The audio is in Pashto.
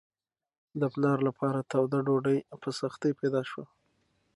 د پلار لپاره توده ډوډۍ په سختۍ پیدا شوه.